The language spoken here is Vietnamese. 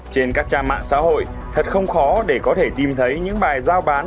trên các trang mạng xã hội thật không khó để có thể tìm thấy những bài giao bán